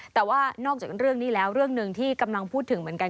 แต่ว่านอกจากเรื่องนี้แล้วเรื่องหนึ่งที่กำลังพูดถึงเหมือนกัน